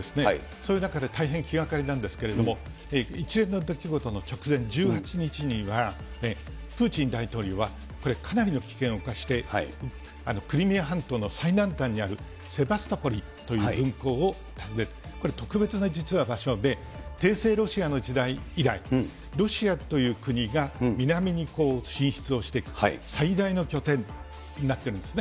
それだから大変気がかりなんですけれども、一連の出来事の直前、１８日には、プーチン大統領は、これ、かなりの危険を冒して、クリミア半島の最南端にあるセバストポリという軍港を訪ねた、これ、特別な場所で、停戦ロシアの時代、ロシアが南に進出をしていく、最大の拠点になってるんですね。